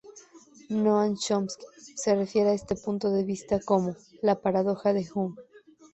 Noam Chomsky se refiere a este punto de vista como "la paradoja de Hume".